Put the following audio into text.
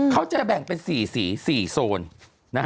เขาจะแบ่งเป็น๔สี๔โซน